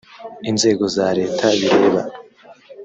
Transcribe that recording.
inzego za leta bireba